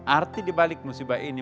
arti dibalik musibah ini